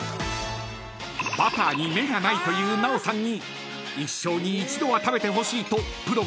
［バターに目がないという奈緒さんに一生に一度は食べてほしいとプロが厳選した中から］